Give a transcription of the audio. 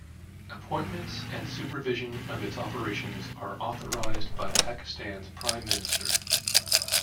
Appointments and supervision of its operations are authorized by Pakistan's Prime Minister.